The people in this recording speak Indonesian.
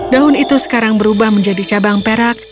daun itu sekarang berubah menjadi cabang perak